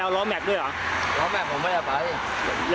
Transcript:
เอาไปขายเสพป่ะเราเสพป่ะ